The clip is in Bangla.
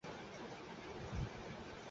আমােদর কাজ মিশন শেষ করা।